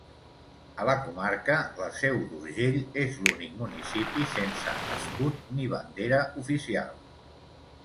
A la comarca, la Seu d'Urgell és l'únic municipi sense escut ni bandera oficials.